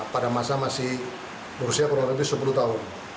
pada masa masih berusia kurang lebih sepuluh tahun